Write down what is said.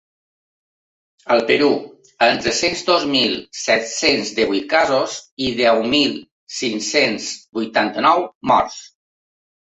El Perú: amb tres-cents dos mil set-cents divuit casos i deu mil cinc-cents vuitanta-nou morts.